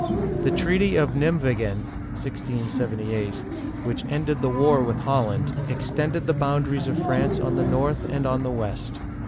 '* The treaty of Nim'^wegen (1678), which ended the war with Holland, extended the boundaries of France on the north and on the west.